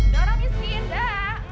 jauh orang miskin dah